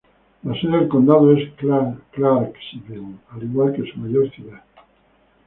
La sede del condado es Clarksville, al igual que su mayor ciudad.